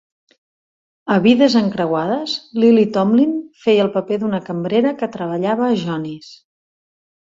A "Vides encreuades", Lily Tomlin feia el paper d'una cambrera que treballava a Johnie's.